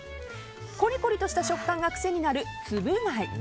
コリコリとした食感が癖になるつぶ貝。